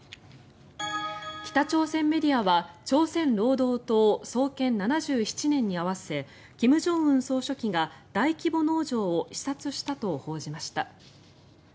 北朝鮮メディアは朝鮮労働党創建７７年に合わせ金正恩総書記が大規模農場を視察したと報じました。